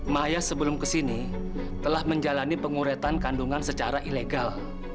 maya sebelum kesini telah menjalani penguretan kandungan secara ilegal